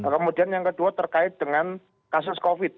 kemudian yang kedua terkait dengan kasus covid